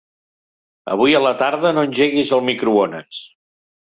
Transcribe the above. Avui a la tarda no engeguis el microones.